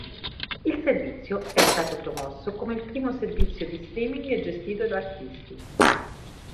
Il servizio è stato promosso come il primo servizio di streaming gestito da artisti.